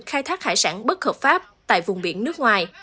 khai thác hải sản bất hợp pháp tại vùng biển nước ngoài